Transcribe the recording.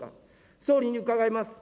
総理に伺います。